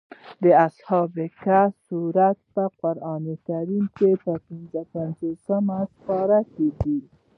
د اصحاب کهف سورت د قران په پنځلسمه سېپاره کې دی.